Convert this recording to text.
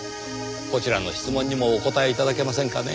こちらの質問にもお答え頂けませんかねぇ？